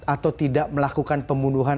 atau tidak melakukan pembunuhan